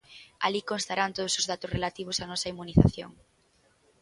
Alí constarán todos os datos relativos á nosa inmunización.